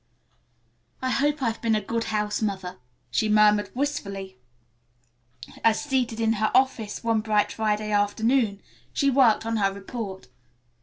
"I hope I've been a good house mother," she murmured wistfully, as, seated in her office one bright Friday afternoon, she worked on her report.